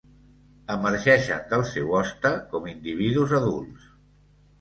Emergeixen del seu hoste com individus adults.